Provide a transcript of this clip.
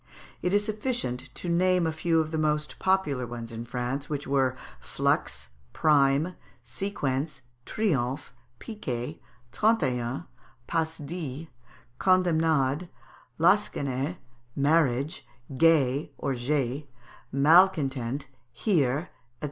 It is sufficient to name a few of the most popular ones in France, which were, Flux, Prime, Sequence, Triomphe, Piquet, Trente et un, Passe dix, Condemnade, Lansquenet, Marriage, Gay, or J'ai, Malcontent, Hère, &c.